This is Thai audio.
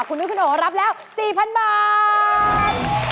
คุณนุ้ยคุณโอรับแล้ว๔๐๐๐บาท